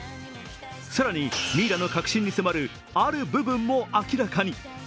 更に、ミイラの核心に迫るある部分も明らかに。